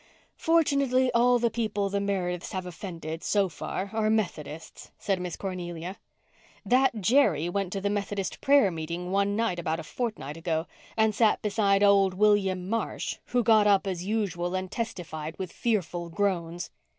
"Fortunately, all the people the Merediths have offended so far are Methodists," said Miss Cornelia. "That Jerry went to the Methodist prayer meeting one night about a fortnight ago and sat beside old William Marsh who got up as usual and testified with fearful groans.